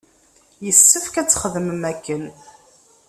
Yessefk ad txedmem akken.